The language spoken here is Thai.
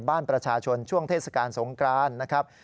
บ้านประชาชนช่วงเทศกาลสงกรานนะครับ